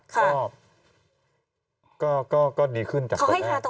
ค่ะก้อก็ก็ดีขึ้นจากตอนแรกคอยให้ทาตรงไหน